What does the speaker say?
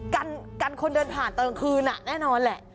แต่กันคนเดินผ่านตอนคืนน่ะแน่นอนแหละ